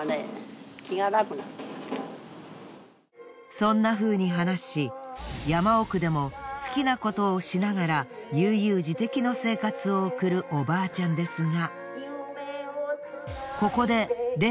そんなふうに話し山奥でも好きなことをしながら悠々自適の生活を送るおばあちゃんですが。